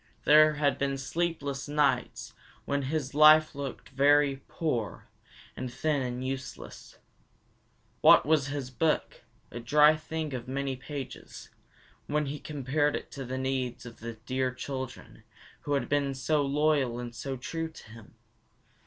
There had been sleepless nights when his life had looked very poor and thin and useless. What was his book, a dry thing of many pages, when he compared it to the needs of the dear children who had been so loyal and so true to him?